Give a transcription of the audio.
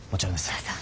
どうぞ。